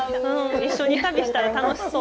一緒に旅をしたら楽しそう！